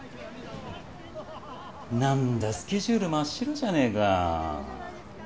何だスケジュール真っ白じゃねえか。